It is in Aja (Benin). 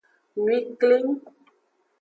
Nwi kleng.